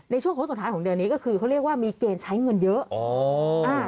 โค้ดสุดท้ายของเดือนนี้ก็คือเขาเรียกว่ามีเกณฑ์ใช้เงินเยอะ